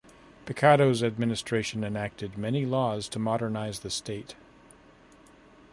Picado's Administration enacted many laws to modernize the State.